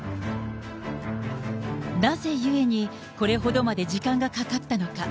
なぜゆえに、これほどまで時間がかかったのか。